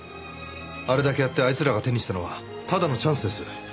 あれだけやってあいつらが手にしたのはただのチャンスです。